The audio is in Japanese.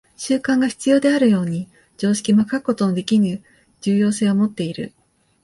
習慣が必要であるように、常識も欠くことのできぬ重要性をもっている。